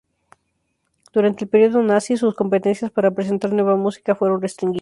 Durante el periodo Nazi, sus competencias para presentar nueva música fueron restringidas.